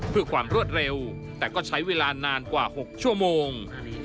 เพื่อความรวดเร็วแต่ก็ใช้เวลานานกว่า๖ชั่วโมง